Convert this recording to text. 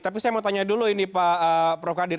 tapi saya mau tanya dulu ini pak prof kadir